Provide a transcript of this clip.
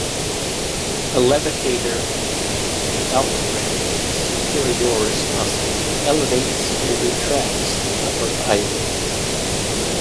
The levator palpebrae superioris muscle elevates and retracts the upper eyelid.